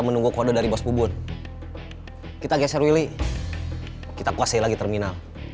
menunggu kode dari bos pubun kita geser willy kita kuasai lagi terminal